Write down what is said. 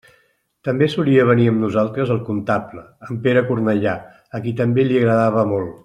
També solia venir amb nosaltres el comptable, en Pere Cornellà, a qui també li agradava molt.